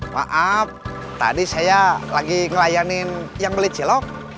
maaf tadi saya lagi ngelayanin yang belit cilok